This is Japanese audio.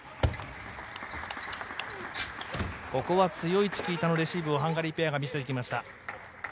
ここは強いチキータのレシーブをハンガリーペアが見せていきました。